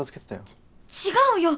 ち違うよ！